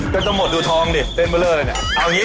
ก็ต้องหมดดูทองดิเต้นเมื่อเรื่องอะไรเนี่ย